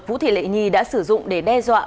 vũ thị lệ nhi đã sử dụng để đe dọa